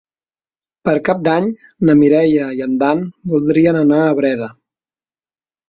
Per Cap d'Any na Mireia i en Dan voldrien anar a Breda.